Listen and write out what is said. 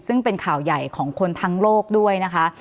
ซึ่งเป็นข่าวใหญ่ของคนทั้งโลกด้วยนะคะ